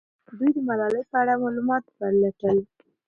دوی د ملالۍ په اړه معلومات پلټل.